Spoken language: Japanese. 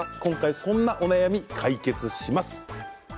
そんな悩み解決します。